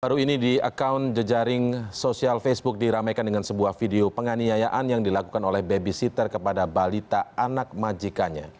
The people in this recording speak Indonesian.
baru ini di account jejaring sosial facebook diramaikan dengan sebuah video penganiayaan yang dilakukan oleh babysitter kepada balita anak majikanya